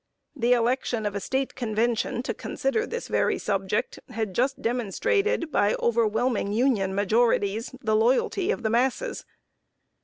The election of a State Convention, to consider this very subject, had just demonstrated, by overwhelming Union majorities, the loyalty of the masses.